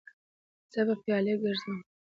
زه به پیالې ګرځوم.